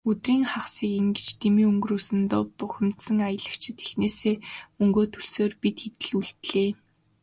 Өдрийн хагасыг ингэж дэмий өнгөрөөсөндөө бухимдсан аялагчид эхнээсээ мөнгөө төлсөөр, бид хэд л үлдлээ.